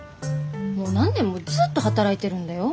もう何年もずっと働いてるんだよ。